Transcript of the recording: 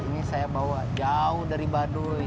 ini saya bawa jauh dari baduy